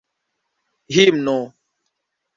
himno